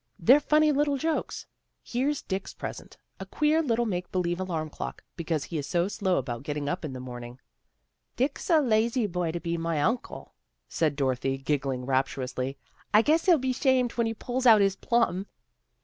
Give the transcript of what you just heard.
They're funny little jokes. Here's Dick's present, a queer little make believe alarm clock, because he is so slow about getting up in the morning." " Dick's a lazy boy to be my uncle," said 174 THE GIRLS OF FRIENDLY TERRACE Dorothy, giggling rapturously. " I guess he'll be 'shamed when he pulls out his plum."